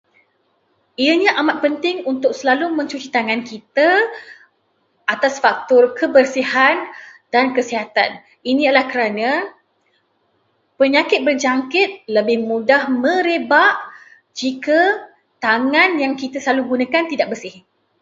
Ianya amat penting untuk selalu mencuci tangan kita atas faktor kebersihan dan kesihatan, Ini adalah kerana penyakit berjangkit lebih mudah merebak jika tangan yang kita selalu gunakan tidak bersih.